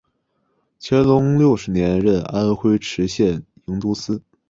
乾隆六十年任安徽池州营都司。